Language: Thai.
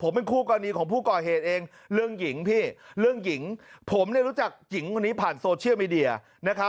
ใช่ออกมาห้ามออกมาดู